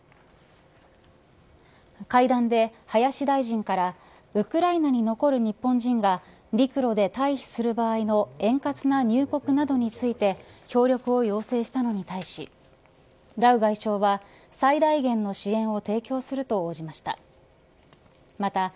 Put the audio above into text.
会談で林大臣からウクライナに残る日本人が陸路で退避する場合の円滑な入国などについて協力を要請したのに対しラウ外相は、最大限の支援を提供すると応じました。